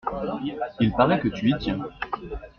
Il paraît que tu y tiens…